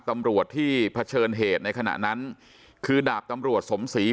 ตำรวจที่เผชิญเหตุในขณะนั้นคือดาบตำรวจสมศรี